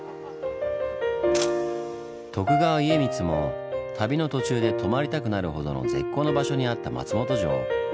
徳川家光も旅の途中で泊まりたくなるほどの絶好の場所にあった松本城。